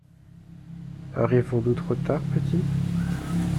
Arrivons-nous trop tard, petite ?…